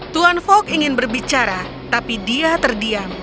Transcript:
tuan fok ingin berbicara tapi dia terdiam